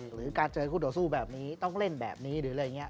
หรือการเจอคู่ต่อสู้แบบนี้ต้องเล่นแบบนี้หรืออะไรอย่างนี้